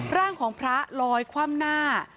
ร่างของพระลอยคว่ำหน้า